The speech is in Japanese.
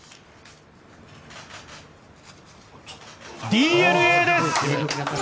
ＤｅＮＡです！